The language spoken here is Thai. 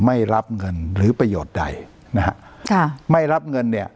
ไม่รับเงินหรือประโยชน์ใดนะฮะค่ะไม่รับเงินเนี่ย